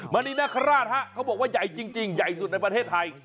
มณีนคราชฮะเขาบอกว่าใหญ่จริงใหญ่สุดในประเทศไทย